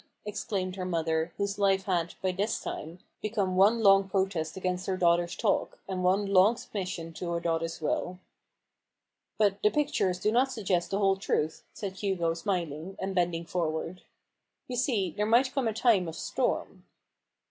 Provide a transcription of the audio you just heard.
exclaimed her mother, whose life had, by this time, become one long protest against her daughter's talk, and one long submission to her daughter's will. " But the pictures do not suggest the whole truth," said Hugo smiling, and bending forward. t( You see, there might come a time of storm." HUGO RAVEN'S HAND.